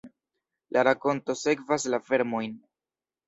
La rakonto sekvas la vermojn.